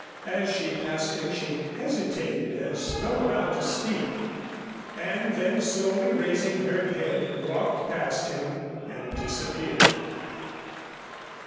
As she passed him she hesitated as though about to speak, and then slowly raising her head walked past him and disappeared.